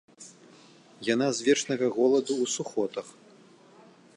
Яна з вечнага голаду ў сухотах.